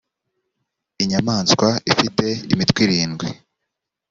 inyamaswa ifite imitwe irindwi